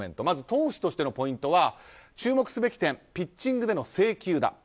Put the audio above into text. まず投手としてのコメントは注目すべき点ピッチングでの制球。